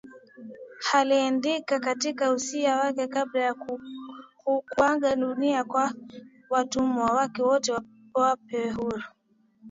Aliandika katika usia wake kabla ya kuaga dunia kwamba watumwa wake wote wapewe uhuru